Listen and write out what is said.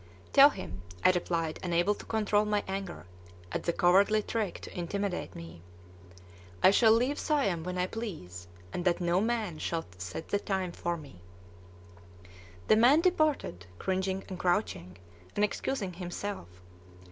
"Tell him," I replied, unable to control my anger at the cowardly trick to intimidate me, "I shall leave Siam when I please, and that no man shall set the time for me." The man departed, cringing and crouching, and excusing himself.